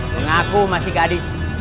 mengaku masih gadis